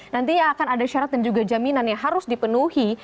nantinya akan ada syarat dan juga jaminan yang harus dipenuhi